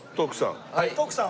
徳さん。